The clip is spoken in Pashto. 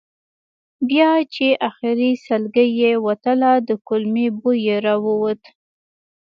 بیا چې آخري سلګۍ یې وتله د کولمو بوی یې راووت.